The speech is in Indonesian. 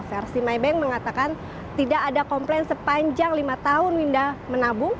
versi mybank mengatakan tidak ada komplain sepanjang lima tahun winda menabung